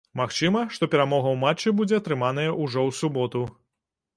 Магчыма, што перамога ў матчы будзе атрыманая ўжо ў суботу.